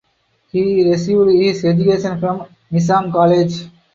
He received his education from Nizam College.